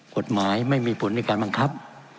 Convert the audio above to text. กฎหมายไม่มีผลในการบังคับ